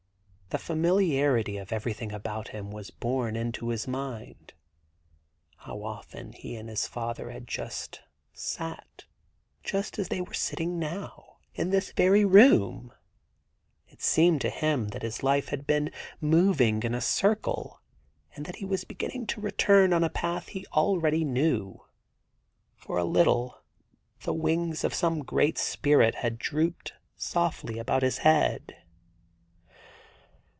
The familiarity of everything about him was borne into his mind. How often he and his father had sat just as they were sitting now !— in this same room ! It seemed to him that his life had been moving in a circle, and that he was beginning to return on a path he already knew. For a little the wings of some great spirit had drooped softly about his head.